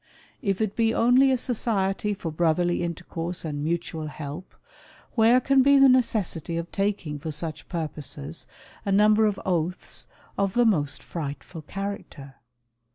If it be only a society for brotherly intercourse and mutual help, where can be the necessity of taking for such purposes, a number of oaths of the most frightful character